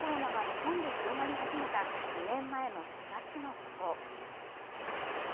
新型コロナが日本で広がり始めた２年前の４月のこと。